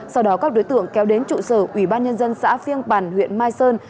sau đó các đối tượng kéo đến trụ sở ủy ban nhân dân xã phiêng bàn huyện mai sơn